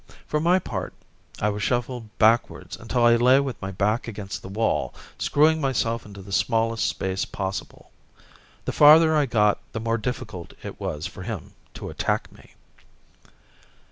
For my part I shuffled backwards until I lay with my back against the wall, screwing myself into the smallest space possible. The farther I got the more difficult it was for him to attack me.